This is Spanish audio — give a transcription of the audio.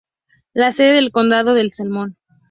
La sede del condado es Salmon.